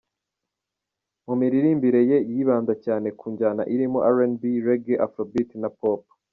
Mu miririmbire ye yibanda cyane ku njyana zirimo R&B, Reggae, Afrobeat na Pop.